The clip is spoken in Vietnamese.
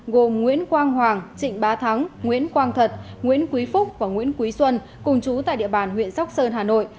gồm nguyễn quang hoàng trịnh bá thắng nguyễn quang thật nguyễn quý phúc và nguyễn quý xuân cùng chú tại địa bàn huyện sóc sơn hà nội